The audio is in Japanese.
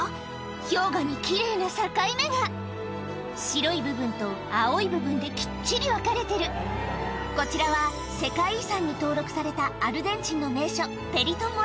氷河に奇麗な境目が白い部分と青い部分できっちり分かれてるこちらは世界遺産に登録されたアルゼンチンの名所